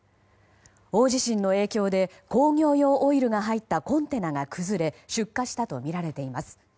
大地震の影響で工業用オイルが入ったコンテナが崩れ出火したとみられています。